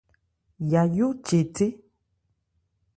Yayó che thé.